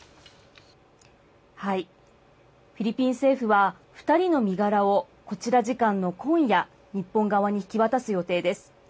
フィリピン政府は、２人の身柄をこちら時間の今夜、日本側に引き渡す予定です。